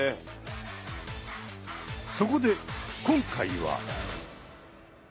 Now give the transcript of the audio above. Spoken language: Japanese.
そこで今回は。